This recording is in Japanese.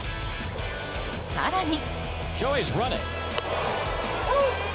更に。